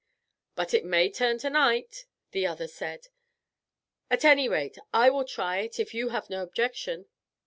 "But it may turn tonight," the other said. "At any rate, I will try it, if you have no objection."